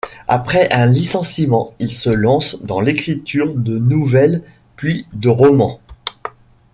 Après un licenciement, il se lance dans l'écriture de nouvelles, puis de romans.